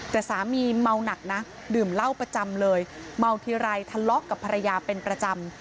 แต่สามีเมาหนักนะดื่มเหล้าประจำเลยเมาทีไรทะเลาะกับภรรยาเป็นประจำ